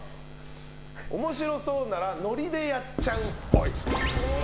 面白そうならノリでやっちゃうっぽい。